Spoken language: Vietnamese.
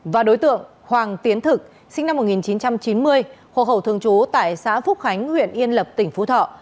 và đối tượng hoàng tiến thực sinh năm một nghìn chín trăm chín mươi hồ khẩu thường trú tại xã phúc khánh huyện yên lập tỉnh phú thọ